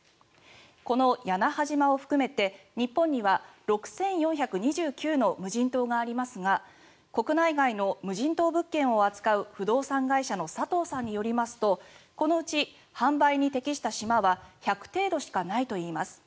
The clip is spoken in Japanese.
この屋那覇島を含めて日本には６４２９の無人島がありますが国内外の無人島物件を扱う不動産会社の佐藤さんによりますとこのうち販売に適した島は１００程度しかないといいます。